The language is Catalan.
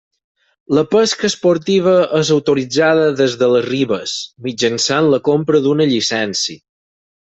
La pesca esportiva és autoritzada des de les ribes, mitjançant la compra d'una llicència.